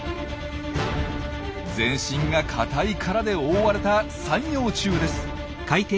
全身が硬い殻で覆われた三葉虫です。